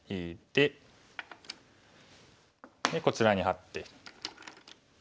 でこちらにハッて。